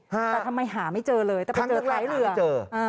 แต่ทำไมหาไม่เจอเลยแต่ไปเจอท้ายเรือ